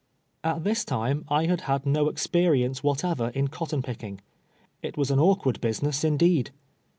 At this time I had had no exj^ericnce whatever in cotton pick ing. It was an awkward business indeed.